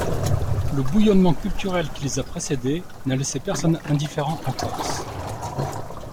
Le bouillonnement culturel qui les a précédées n'a laissé personne indifférent en Corse.